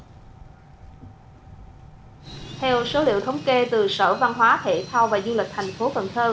theo số liệu thống kê từ sở văn hóa thể thao và du lịch tp hcm